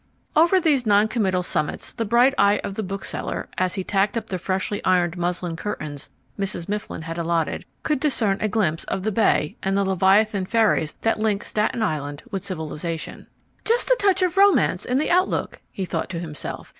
Over these noncommittal summits the bright eye of the bookseller, as he tacked up the freshly ironed muslin curtains Mrs. Mifflin had allotted, could discern a glimpse of the bay and the leviathan ferries that link Staten Island with civilization. "Just a touch of romance in the outlook," he thought to himself.